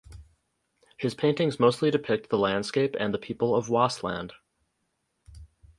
His paintings mostly depict the landscape and the people of Waasland.